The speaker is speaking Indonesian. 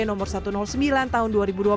nomor satu ratus sembilan tahun dua ribu dua puluh